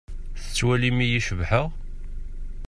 Tettwalim-iyi cebḥeɣ?